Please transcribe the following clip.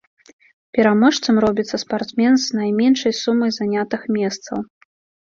Пераможцам робіцца спартсмен з найменшай сумай занятых месцаў.